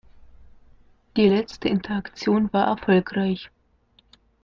Die letzte Interaktion war erfolgreich.